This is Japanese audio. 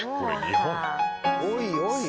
おいおい！